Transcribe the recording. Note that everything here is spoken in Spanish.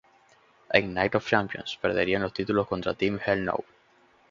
En Night of Champions perderían los títulos contra Team Hell No.